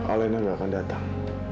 alena gak akan datang